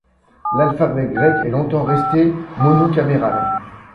L'alphabet grec est longtemps resté monocaméral.